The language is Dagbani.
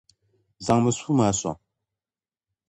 Zaŋmi sua maa sɔŋ!